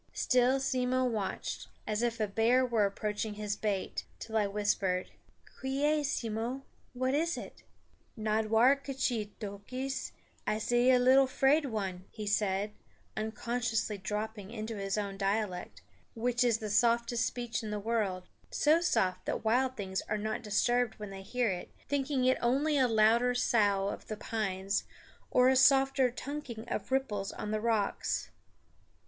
Still Simmo watched, as if a bear were approaching his bait, till I whispered, "Quiee, Simmo, what is it?" "Nodwar k'chee Toquis, I see little 'Fraid One'" he said, unconsciously dropping into his own dialect, which is the softest speech in the world, so soft that wild things are not disturbed when they hear it, thinking it only a louder sough of the pines or a softer tunking of ripples on the rocks.